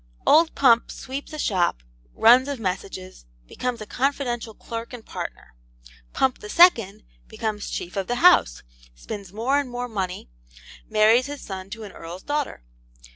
Old Pump sweeps a shop, runs of messages, becomes a confidential clerk and partner. Pump the Second becomes chief of the house, spins more and more money, marries his son to an Earl's daughter.